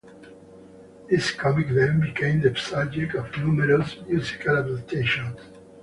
This comic then became the subject of numerous musical adaptations.